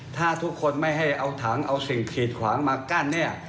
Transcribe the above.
ถ้าทุกคนไม่ให้เอาถังเอาสิ่งกีดขวางมากั้นเนี่ย